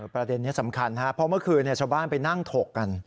ประเด็นนี้สำคัญครับเพราะเมื่อคืนชาวบ้านไปนั่งถกกัน